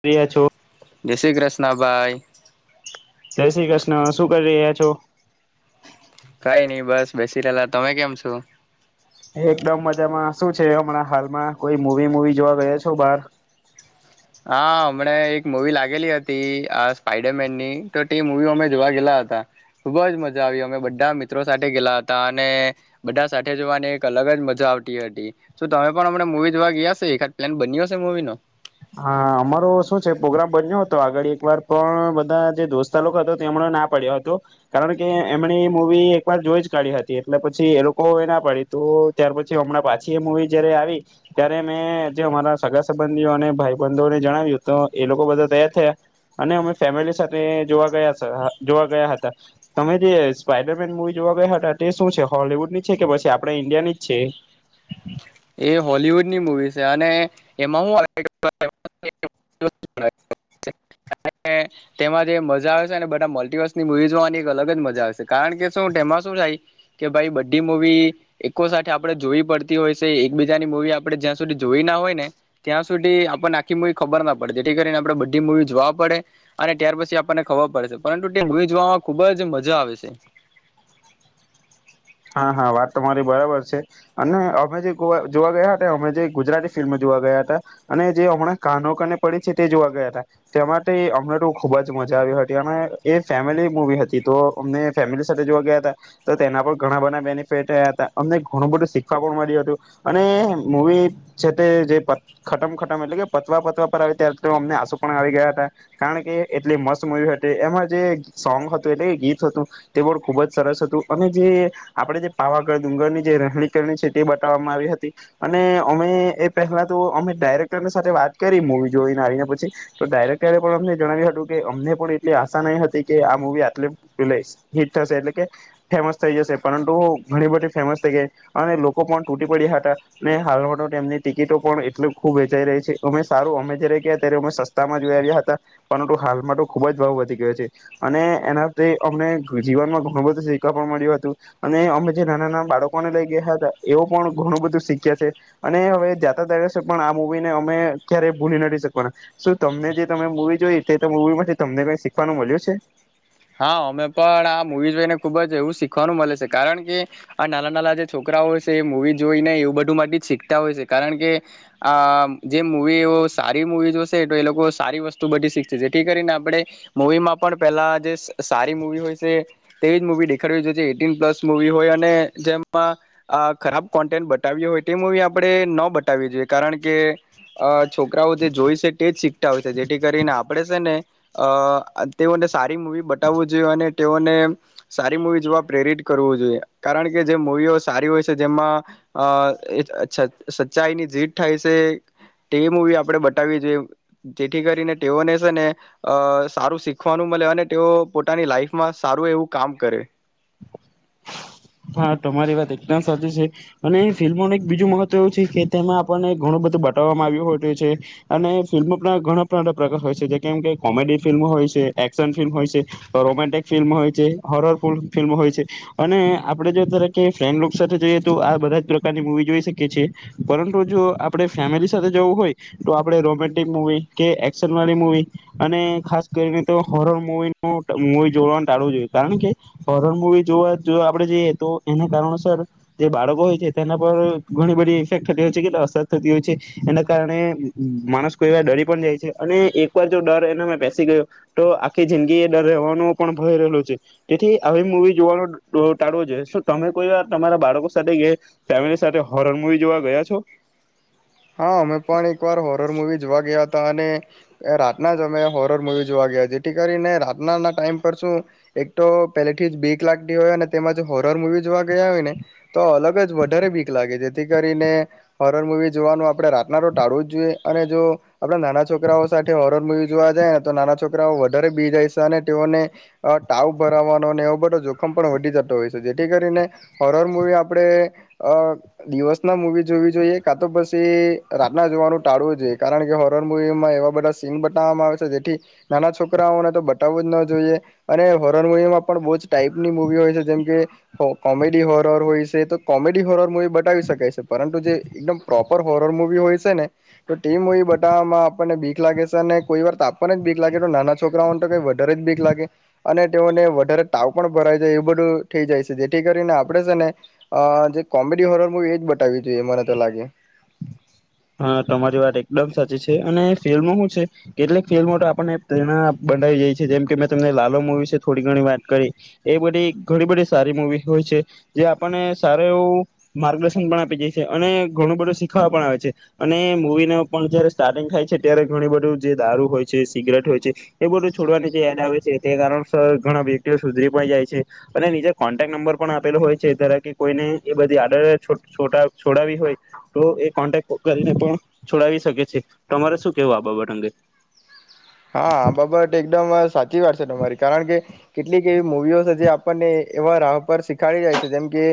કરી્યા છો જય શ્રી કૃષ્ણ ભાઈ જય શ્રી કૃષ્ણ શું કરી રહ્યા છો કઈ નઈ બસ બેસી રહેલા તમે કેમ છો એકદમ મજામાં શું છે હમણાં હાલમાં કોઈ મુવી મુવી જોવા ગયા તો બહાર હા હમણા એક મૂવી લાગેલી હતી આ સ્પાઈડર મેન ની તો તે મુવી અમે જોવા ગયેલા હતા ખુબ જ મજા આવી અમે બધા મિત્રો સાથે ગેલા હતા અને બધા સાથે જોવાની એક અલગ જ મજા આવતી હતી તો તમે પણ અમણા મવી જોવા ગયાશે એકાદ પ્લાન બન્યો હશે મુવી નો હા અમારો શું છે પ્રગ્રામ બન્યો હતો આગળ એક વાર પણ બધા જે દોસ્તા લોકો હતો તે એમણે ના પાડ્યો હતો કારણ કે એમણે મુવી એકવાર જોઈ જ કાઢી હતી એટલે પછી એ લોકો એ ના પાડી તો ત્યાર પછી હમણાં પાછી એ મુવી જયારે આવી ત્યારે મેં જે અમારા સગા સંબંધીઓ અને ભાઈ બંધોને જણાવ્યું તો એ લોકો બધા તૈયાર થયા અને અમે ફેમિલી સાથે જોવા ગયા જોવા ગયા હતા તમે જે સ્પાઈડરમેન મુવી જોવા ગયા હતા તે શું છે હોલવુડ ની છે કે પછી આપણા ઈન્ડિયાની જ છે એ હોલવુડની મુવી છે અને એમાં હુ આવે તેમાં જે મજા આવે છે બધા મલ્ટીિવર્સની મુવી જોવાની અલગ જ મજા આવે છે કારણ કે શું તેમાં શું થાય કે ભાઈ બધી મુવી એકકો સાથે આપડણે જોવી પડતી હોય એકબીજાની મુૂવી આપડણે જ્યાં સુધી જોઈ ના હોય ને ત્યાં સુધી આપણને આખી મુવી ખબર ના પડે જેથી કરીને આપણે બધી મુૂવી જોવા પડે અને ત્યાર પછી આપણને ખબર પડેશે પરંતુ તે મુવી જોવામાં ખુબ જ મજા આવે છે હા હા વાત તમારી બરાબર છે અને અમે જે જોવા ગયા હતા અમે જે ગુજરાતી ફિલ્મ જોવા ગયા હતા અને જે હમણાં કનો કને પડી છે તે જોવા ગયા હતા તે માટે અમને તો ખૂબ જ મજા આવી હતી અને એ ફેમિલી મુવી હતી તો અમને ફેમિલી સાથે જોવા ગયા હતા તો તેના પર ઘણા બધા બેનિફિટ્યા હતા અમને ઘણું બધું શીખવા પણ મળ્યું હતું અને મૂવી છે તે જે પ ખટમ ખટમ એટલે કે પતવા પતવા પર આવે ત્યારે તો અમને આંસુ પણ આવી ગયા હતા કારણ કે એટલી મસ્ત મૂવી હતી એમાં જે સોંગ હતું એટલે કે ગીત હતું તે પણ ખૂબ જ સરસ હતું અને જે આપણે જે પાવાગઢ ડુંગરની જે રણીકરણી છે તે બતાવવામાં આવી હતી અને અમે એ પહેલા તો અમે ડાયરેક્ટરની સાથે વાત કરી મવી જોઈને આવીને પછી તો ડાયરેક્ટરે પણ અમને જણાવ્યું હતું કે અમને પણ એટલી આશા નહી હતી કે આ મુવી આટલે હિટ થશે એટલે કે ફેમસ થઈ જશે પરંતુ ઘણી બધી ફેમસ થઈ ગઈ અને લોકો પણ તૂટી પડ્યા હતા અનેને હાલમાં તો તેમમની ટિકિટો પણ એટલી ખૂબ વેચાઈ રહી છે અમે સારું અમે જ્યારે ગયા ત્યારે અમે સસ્તામાં જોઈ આવ્યા હતા પરંતુ હાલમાં તો ખૂબ જ ભાવ વધી ગયો છે અને એનાથી અમને જીવનમાં ઘણું બધું શીખવા પણ મળ્યું હતું અને અમે જે નાના નાના બાળકોને લઈ ગયા હતા એવ પણ ઘણું બધું શીખ્યા છે અને હવે જાતા દસે પણ આ મુૂવીને અમે ક્યારેય ભૂલી નથી શકવાના શું તમને જે તમે મૂવી જોઈ તે મવી માંથી તમને કઈ શીખવાનું મળ્યું છે હા અમે પણ આ મુવી જોઈને ખુબ જ એવું શીખ શખવાનું મળે છે કારણ કે આ નાલા નાલા જે. છોકરાઓ છે મૂવી જોઈને એવું બધું માટે જ શીખતા હોય છે કારણ કે આ જે મૂવીઓ સારી મૂવી જોશે તો એ લોકો સારી વસ્તુ બધી શીખશે જેથી કરીને આપણે મૂવીમાં પણ પેલા જે સારી મુવી હોય છે તેવી જ મુવી દેખાવી જોઈએ જે એટીન પ્લસ મુવી હોય અને જેમાં ખરાબ કોન્ટેન્ટ બતાવ્યું હોય તે મવી આપણે ન બતાવી જોઈએ કારણ કે છોકરાઓ જે જોઈ છે તે જ શી જેથી કરીને આપણેે છે ને અ તેઓને સારી મૂવી. બતાવવું જોઈએ અને તેઓને સારી મૂવી જોવા પ્રેરિત કરવું જોઈએ કારણ કે જે મૂવીઓ સારી હોય છે જેમાં અ ચ સચ્ચાઈની જીત થાય છે તે મૂવી આપણે બતાવવી જોઈએ જેથી કરીને તેઓને છે ને અ સારું શીખવાનું મળે અને તેઓ પોતાની લાઈફમાં સારું એવું કામ કરે. હા તમારી વાત એકદમ સાચી છે અને ફિલ્મોનું એક બીજું મહત્વ એવું છે કે તેમાં આપણને ઘણું બધું બતાવવામાં આવ્યું હો છે અને ફિલ્મો પણ ઘણા પણ પ્રકાર હોય છે જે કેમ કે કોમેડી ફિલ્મ હોય છે એક્શન ફિલ્મ હોય છે રોમેન્ટિક ફિલ્મ હોય છે હોરર ફૂ ફિલ્મ હોય છે અને આપણે જો તરેકે ફ્રેન્ડલુક સાથે જઈએ તો આ બધા જ પ્રકારની મૂવી જોઈ શકીએ છીએ પરંતુ જો આપણે ફેમિલી સાથે જવું હોય તો આપણે રોમેન્ટિક મૂવી કે એક્શન વાળી મૂવી અને ખાસ કરીને તો હોરર મૂવીનો મૂવી જોડવાનું ટાળવું જોઈએ કારણ કે હોરર મૂવી જોવા જો આપણે જઈએ તો એના કારણોસર જે બાળકો હોય છે તેના પર ઘણી બધી ઇફેક્ટ થતી હોય છે કે અસર થતી હોય છે એના કારણે મ માણસ કોઈ વાર ડરી પણ જાય છે અને એકવાર જો ડર એના બેસી ગયો તો આખી જિંદગી એ ડર રહેવાનો પણ ભય રહેલો છે તેથી આવી મુવી જોવાનો ટાડો જોયે તમે કોઈ વાર તમારા બાળકો સાથે ગ ફેમિલી સાથે હોરન મુવી જોવા ગયા છો હા અમે પણ એકવાર હોરર મુવી જોવા ગયા હતા અને રાતના જ અમે હોરર મુૂવી જોવા ગયા જેથી કરીને રાતનાના ટાઈમ પર શું એક તો પહેલેથી જ બીક લાગતી હોય અને તેમાંજ હોરર મુૂવી જોવા ગયા હોય ને તો અલગ જ વધારે બીક લાગે જેથી કરીને હોરર મુૂવી જોવાનું આપણે રાતના રો ટાળવું જ જોઈએ અને જો આપડા નાના છોકરાઓ સાથે હોરર મુૂવી જોવા જાય ને તો નાના છોકરાઓ વધારે બી જાય છે અને તેઓને ટાવ ભરાવવાનો અને એવો બધો જોખમ પણ વધી જતો હોય છે જેથી કરીને હોરર મુવી આપણે અ દિવસ ના મુૂવી જોવી જોઈએ કા તો પછી રાતના જોવાનું ટાળવું જોઈએ કારણ કે હોરર મુૂવીમાં એવા બધા સીન બતાવવામાં આવે છે જેથી નાના છોકરાઓને તો બતાવવું જ ન જોઈએ અને હોરર મુવીમાં પણ બહુ જ ટાઈઇપની મૂવી હોય છે જેમકે કોમેડી હોરર હોય છે તો કોમેડી હોરર મુવી બતાવી શકાય છે પરંતુ જે એકદમ પ્રોપ હોરર મુવી હોય છે ને તો ટી મુવી બતાવવામાં આપણને બીક લાગે છે અને કોઈ વાર તાપણને જ બીક લાગે તો નાના છોકરાઓને તો કઈ વધારે જ બીક લાગે અને તેઓને વધારે તાવ પણ ભરાઈ જાય એવું બધું થઈ જાય છે જેથી કરીને આપણેે છે ને અ જે કોમેડી હોરર મુવી એ જ બતાવી જોઈએ મને તો લાગે હા તમારી વાત એકદમ સાચી છે અને ફિલ્મો હુ છે કેટલીક ફિલ્મો તો આપણને પ્રેરણા બનાવી જાય છે જેમ કે મેં તમને લાલ મુવી છે થોડી ઘણી વાત કરી એ બધી ઘણી બધી સારી મવી હોય છે જે આપણને સારું એવું માર્ગદર્શન પણ આપી જાય છે અને ઘણું બધું શીખવા પણ આવે છે અને મૂવી ન પણ જયારે સ્ટાર્ટિંગ થાય છે ત્યારે ઘણ બધું જે દારૂ હોય છે સિગરેટ હોય છે એ બધું છોડવાની જે એડ આવે છે તે કારણસ ઘણા વ્યક્તિઓ સુધરી પણ જાય છે અને નીજે કોન્ટેક્ટ નંબર પણ આપેલો હોય છે ધરા કે કોઈને એ બધી આડર છો છોડાવી હોય તો એ કોન્ટેક્ટ કરીને પણ છોડાવી શકે છે તમારે શું કેવું આ બાબટ અંગે હા બાબત એકદમ સાચી વાત છે તમારી કારણ કે કેટલીક એવી મુૂવીઓ છે જે આપણને એવા રાહ પર શીખાડી જાય છે જેમ કે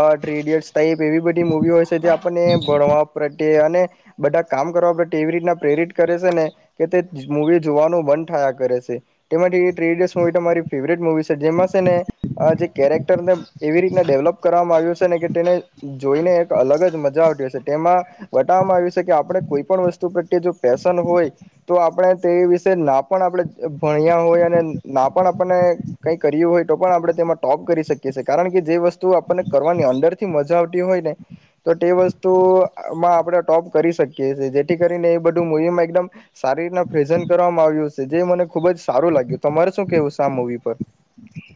અ ત્રી ઇડિયટ્ ટાઇપ એવી બધી મુવી હોય છે જે આપણને ભણવા પ્રત્ય બધા કામ કરવા માટે એવી રીતના પ્રેરિત કરે છે ને કે મુવી જોવાનું બંધ થયા કરે છે તેમાંથી. મારી ફેવરેટ મુવી છે જેમાં છે ને આ જે. કેરેક્ટરને એવી રીતના ડેવલપ કરવામાં આવ્યું છે ને કે તેને જોઈને એક અલગ જ મજા આવ છે તેમાં વટાવવામાં આવ્યું છે કે આપણે કોઈ પણ વસ્તુ પ્રત્યે જો પેશન હોય તો આપણે તે વિશે ના પણ આપણે ભણ્યા હોય અને ના પણ આપણને કઈ કર્યું હોય તો પણ આપણે તેમાં ટોપ કરી શકીએ છીએ કારણ કે જે વસ્તુ આપણને કરવાની અંદરથી મજા આવતી હોય ને તો તે વસ્તુમાં આપણે ટોપ કરી શકીએ છીએ જેથી કરીને એ બધું મુવીમાં એકદમ સારી રીતના પ્રેઝન્ટ કરવામાં આવ્યું છે જે મને ખૂબ જ સારું લાગ્યું તમારે શું કેવું છે આ મૂવી પર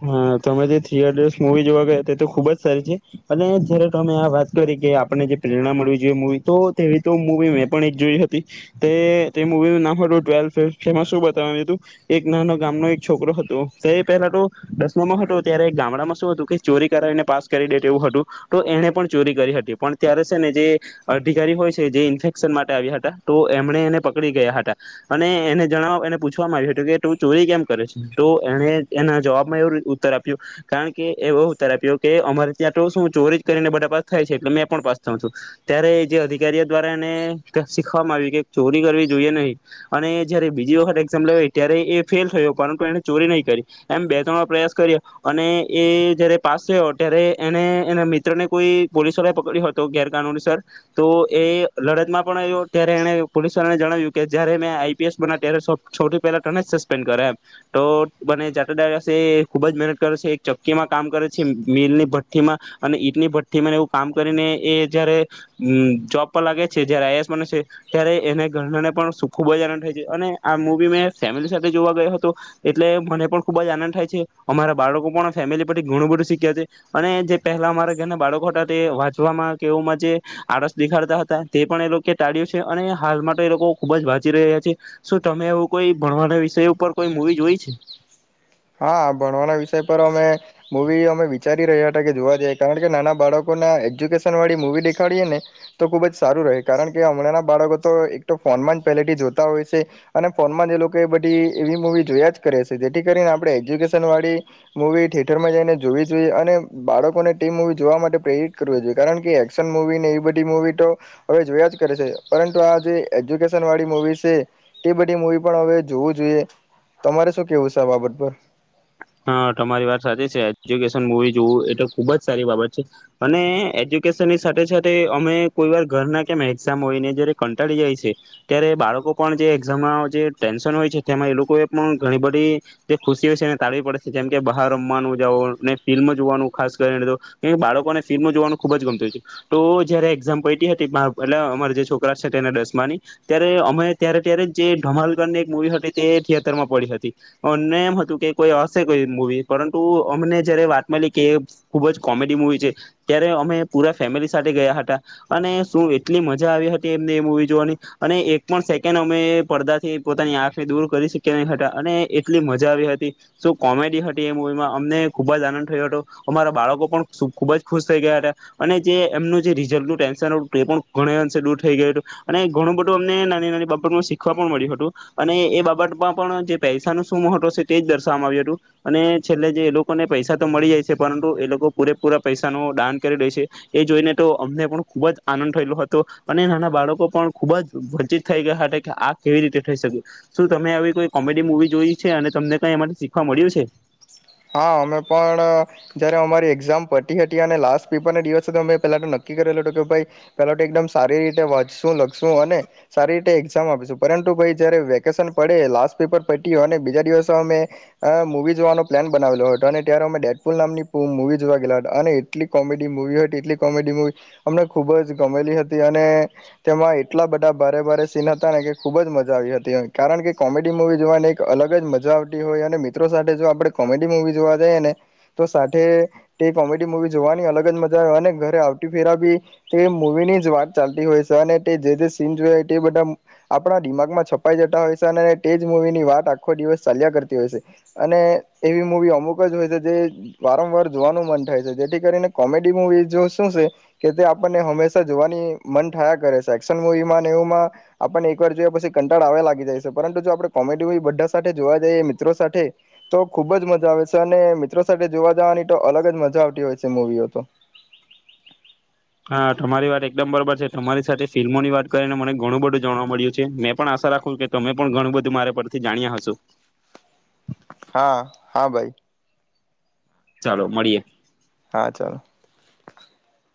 હા તમે જે થિયેટર્સ મવી જોવા ગયા તે તો ખુબ જ સારી છે અને જયારે તમે આ વાત કરી કે આપને જે પ્રેરણા મળવી જોઈએ મવી તો તેવી તો મવી મેં પણ એક જોઈ હતી તે તે મુવીનું નામ હતું ટ્વેલ્થ ફે શું બતા હતું એક નાનો ગામનો એક છોકરો હતો તે પહેલા તો દસમામાં હતો ત્યારે ગામડામાં શું હતું કે ચોરી કરાવીને પાસ કરી દે તે એવું હતું તો એને પણ ચોરી કરી હતી પણ ત્યારે છે ને જે અધિકારી હોય છે જે ઇન્ફેક્શન માટે આવ્યા હતા તો એમણે એને પકડી ગયા હતા અને એને જણાવવા એને પૂછવામાં આવ્યું હતું કે તું ચોરી કેમ કરે છે તો એને એના જવાબ ઉતર આપ્યું કારણ કે એવો ઉત્તર આપ્યો કે અમારે ત્યાં તો શું ચોરી કરીને બધા પાસ થાય છે એટલે મેં પણ પાસ થું હતું ત્યારે જે અધિકારીઓ દ્વારા એને શીખવામાં આવ્યું કે ચોરી કરવી જોઈએ નહીં અને જયારે બીજી વખત એક્ઝામ લેવય ત્યારે એ ફેલ થયો પરંતુ એને ચોરી નહી કરી એ પ્રયાસ કર્યો અને એ જયારે પાસ થયો ત્યારે એને એના મિત્ર ને કોઈ પોલીસ વાળ પકડ્યો હતો ગેરકાનૂનીસર તો એ લડત માં પણ આવ્યો ત્યારે એને પોલીસ વાળાને જણાવ્યું કે જયારે મેં આઈપીએસ બના્યા ત્યારે સૌથી પહેલા તને જ સસ્પેન્ડ કર્યા એમ તો બને જાટ ખૂબ જ મહેનત કરે છે એક ચક્કીમાં કામ કરે છે મિલની ભઠ્ઠી માં અને ઈટની ભઠ્ઠીમાંને એવું કામ કરીને એ જયારે જોબ પર લાગે છે જયારે આઈ એસ બને છે ત્યારે એને ગરનાને પણ ખૂબ જ આનંદ થાય છે અને આ મુવી મેં ફેમિલી સાથે જોવા ગયો હતો એટલે મને પણ ખૂબ જ આનંદ અમારા બાળકો પણ ફેમિલી પરથી ઘણું બધું શીખ્યા છે અને જે પહેલા અમારા ઘરના બાળકો હતા તે વાંચ કેવમાં જે આળસ દેખાડતા હતા તે પણ એ લોકો ટાળ્યું છે અને હાલમાં તો એ લોકો ખુબ જ વાંચી રહ્યા છે શું તમે એવું કોઈ ભણવાના વિષય ઉપર કોઈ મુવી જોય છે હા ભણવાના વિષય પર અમે મૂવી અમે વિચારી રહ્યા હતા કે જોવા જઈએ કારણ કે નાના બાળકોના એજ્યુકેશનવાળી મૂવી દેખાડીએ ને તો ખૂબ જ સારું રહે કારણ કે હમણાં બાળકો તો એક તો ફોનમાં જ પહેલેથી જોતા હોય છે અને ફોનમાં જ એ લોકો એ બધી એવી મૂવી જોયા જ કરે છે જેથી કરીને આપણે આપણે એજ્યુકેશનવાળી મૂવી થિેયેટર મા જઈને જોવી જોઈએ અને બાળકોને ટ મૂવી જોવા માટે પ્રેરિત કરવી જોઈએ કારણ કે એક્શન મૂવીને એ બધી મૂવી તો હવે જોયા જ કરે છે પરંતુ આ જે એજ્યુકેશનવાળી મૂવી છે એ બધી મૂવી પણ હવે જોવું જોઈએ તમારે શું કહેવું છે આ બાબત પર હા તમારી વાત સાચી છે એજ્યુકેશન મૂવી જોવું એ તો ખુબ જ સારી બાબત છે અને એજ્યુકેશનની સાથે સાથે અમે કોઈ વાર ઘરના કેમ એક્ઝામ હોયને જયારે કંટાળી જાય છે ત્યારે બાળકો પણ જે એક્ઝામમાં જે ટેન્શન હોય છે તેમાં એ લોકો એ પણ ઘણી બધી જે ખુશી હોય છે તાળવી પડે છે જેમ કે બહાર રમવાનું જાઓ ને ફિલ્મ જોવાનું ખાસ કરીને બાળકોને ફિલ્મ જોવાનું ખૂબ જ ગમતુંય છે તો જય્યારે એક્ઝામ પટી હતી એટલે અમારા જે છોકરા છે તેને દસમાની ત્યારે અમે ત્યારે ત્યારે જે ધઢમાલકરની એક મૂવી હતી તે થિયેટરમાં પડી હતી અને એમ હતું કે કોઈ હશે કોઈ મૂવી પરંતુ અમને જયારે વાત. મલી કે ખૂબ જ કોમેડી મૂવી છે ત્યારે અમે પૂરા ફેમિલી સાથે ગયા હતા અને શું એટલી મજા આવી હતી એમને એ મૂવી જોવાની અને એક પણ સેકન્ડ અમે પડદાથી પોતાની આંખને દૂર કરી શક્યા નહી હતા અને એટલી મજા આવી હતી શુ કોમેડી હતી એ મવીમાં અમને ખુબ જ આનંદ થયો હતો અમારા બાળકો પણ ખુબ જ ખુશ થઈ ગયા હતા અને જે એમનું જે રીઝલ્ટનું ટેન્શન હતું એ પણ ઘણી અંશે દૂર થઈ ગયું હતું અને ઘણું બધું અમને નાની નાની બાબતમાં શીખવા પણ મળ્યું હતું અને એ બાબતમાં પણ જે પૈસાનું શુંું છે તે જ દર્શ અને છેલ્ જે એ લોકોને પૈસા તો મળી જાય છે પરંતુ એ લોકો પૂરેપૂરા પૈસા નુ દાન કરી લે છે એ જોઈને તો અમને પણ ખુબ જ આનંદ થયેલો હતો અને નાના બાળકો પણ ખુબ જ વંચિત થઈ ગયા હતા કે આ કેવી રીતે થઈ શકે શું તમે આવી કોઈ કોમેડી મુવી જોઈ છે અને તમને કઈ એમાં શીખવા મળ્યું છે હા અમે પણ જ્યારે અમારી એક્ઝામ પતી હતી અને લાસ્ટ પેપરના દિવસે તો અમે પહેલાં તો નક્કી કરેલોું હતું કે ભાઈ પહેલાં તો એકદમ સારી રીતે વાંચશું લખશું અને સારી રીતે એક્ઝામ આપીશું પરંતુ ભાઈ જ્યારે વેકેશન પડે લાસ્ટ પેપર પતયુ અને બીજા દિવસે અમે મૂવી જોવાનો પ્લાન બનાવેલો હતો અને ત્યારે અમે ડેટપૂલ નામની પૂ મૂવી જોવા ગેલા હતા અને એટલી કોમેડી મૂવી હોય એટલી કોમેડી મૂવી અમને ખૂબ જ ગમેલી હતી અને તેમાં એટલા બધા ભારે ભારે સીન હતા ને કે ખૂબ જ મજા આવી હતી કારણ કે કોમેડી મૂવી જોવાની એક અલગ જ મજા આવતી હોય અને મિત્રો સાથે જો આપણે કોમેડી મૂવી જોવા જઈએ ને તો સાથે તે કોમેડી મૂવી જોવાની અલગ જ મજા આવે અને ઘરે આવતી ફેરા બી તે મૂવીની જ વાત ચાલતી હોય છે અને તે જે જે સીન જોઈ તે બધા આપણા દિમાગમાં છપાઈ જતા હોય છે અને તે જ મૂવીની વાત આખો દિવસ ચાલ્યા કરતી હોય છે અને એવી મૂવી અમુક જ હોય છે જે વારંવાર જોવાનું મન થાય છે જેથી કરીને કોમેડી મૂવી જો શું છે કે તે આપણને હંમેશા જોવાની મન થાયા કરે છે એક્શન મુૂવીમાં ને એવુંમાં આપણને એકવાર જોયા પછી કંટાળ આવ લાગી જાય છે પરંતુ જો આપણે કોમેડી મવી બધા સાથે જોવા જઈએ મિત્રો સાથે તો ખુબ જ મજા આવે છે અને મિત્રો સાથે જોવા જવાની તો અલગ જ મજા આવતી હોય છે મૂવીઓ તો હા તમારી વાત એકદમ બરોબર છે તમારી સાથે ફિલ્મોની વાત કરીને મને ઘણું બધું જાણવા મળ્યું છે મેં પણ આશા રાખું કે તમે પણ ઘણું બધું મારા પરથી જાણ્યા હશો હા હા ભાઈ ચાલો મળીએે હા ચાલો